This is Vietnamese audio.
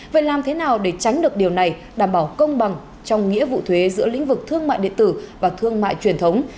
vậy làm thế nào để tránh được điều này đảm bảo công bằng trong nghĩa vụ thuế giữa lĩnh vực thương mại điện tử và thương mại truyền thống